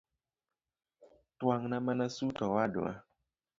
Twang’na mana sut owadwa